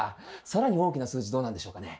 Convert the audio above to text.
更に大きな数字どうなんでしょうかね。